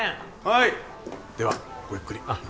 はいではごゆっくりあっ